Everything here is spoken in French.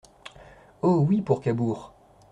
Oh ! oui, pour Cabourg !